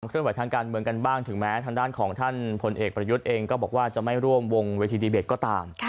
เคลื่อนไหวทางการเมืองกันบ้างถึงแม้ทางด้านของท่านพลเอกประยุทธ์เองก็บอกว่าจะไม่ร่วมวงเวทีดีเบตก็ตาม